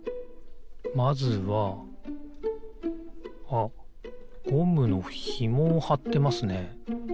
あっゴムのひもをはってますね。